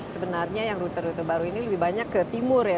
sebenarnya yang rute rute baru ini lebih banyak ke timur ya